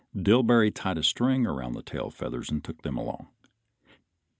Dillbery tied a string around the tail feathers and took them along.